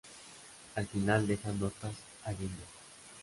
Al final deja notas a guinda.